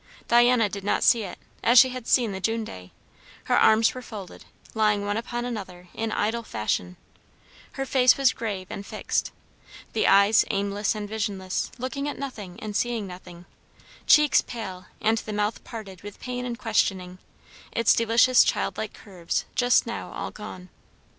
Diana did not see it, as she had seen the June day; her arms were folded, lying one upon another in idle fashion; her face was grave and fixed, the eyes aimless and visionless, looking at nothing and seeing nothing; cheeks pale, and the mouth parted with pain and questioning, its delicious childlike curves just now all gone.